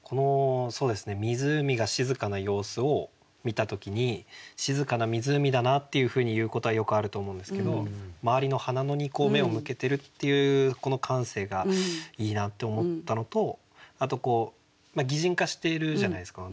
湖が静かな様子を見た時に静かな湖だなっていうふうに言うことはよくあると思うんですけど周りの花野に目を向けてるっていうこの感性がいいなって思ったのとあと擬人化しているじゃないですか。